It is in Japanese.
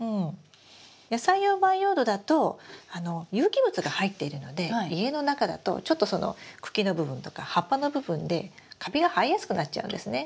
野菜用培養土だと有機物が入っているので家の中だとちょっとその茎の部分とか葉っぱの部分でカビが生えやすくなっちゃうんですね。